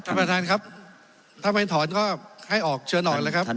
ท่านประธานครับถ้าไม่ถอนก็ให้ออกเชิญออกเลยครับ